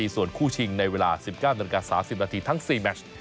ส่วนคู่ชิงในเวลา๑๙๓๐นทั้ง๔แมทช์